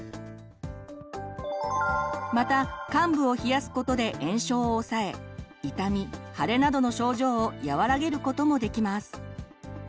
また患部を冷やすことで炎症を抑え痛み腫れなどの症状を和らげることもできます。